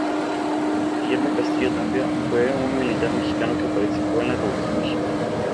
Guillermo Castillo Tapia fue un militar mexicano que participó en la Revolución mexicana.